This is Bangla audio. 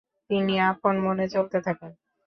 তিনি আপন মনে চলতে থাকেন।